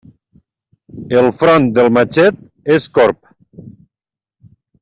El front del matxet és corb.